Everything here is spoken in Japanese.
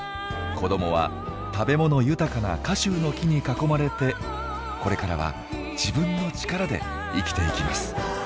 子どもは食べ物豊かなカシューノキに囲まれてこれからは自分の力で生きていきます。